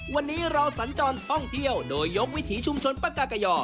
วันนี้เราสัญจรท่องเที่ยวโดยยกวิถีชุมชนปากากย่อ